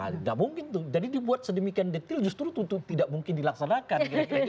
nggak mungkin tuh jadi dibuat sedemikian detail justru tuh tidak mungkin dilaksanakan